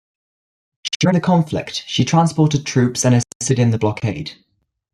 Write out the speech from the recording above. During the conflict, she transported troops and assisted in the blockade.